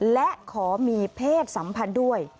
และขอมีเพศสัมพันธ์ด้วย